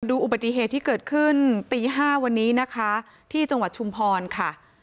อุบัติเหตุที่เกิดขึ้นตี๕วันนี้นะคะที่จังหวัดชุมพรค่ะ